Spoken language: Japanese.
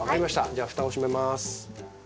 じゃあふたを閉めます。